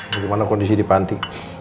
bagaimana kondisi di panti